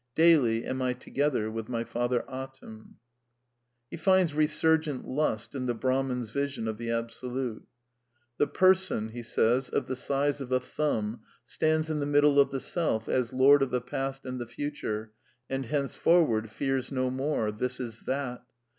Daily am I together with my Father Atum." ^'' He finds resurgent lust in the Brahman's vision of the Absolute. " The person (purusha) of the size of a thumb, stands in the middle of the Self, as lord of the past and the future, and henceforward fears no more. This is that.